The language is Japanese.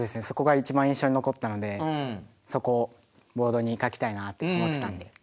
そこが一番印象に残ったのでそこをボードに書きたいなと思ってたんで。